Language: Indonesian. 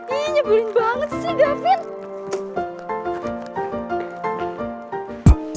iya nyebulin banget sih gavin